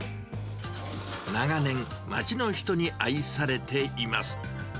長年、町の人に愛されています。